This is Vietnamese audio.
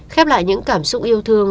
khép lại những cảm xúc yêu thương